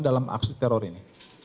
dalam aksi teror ini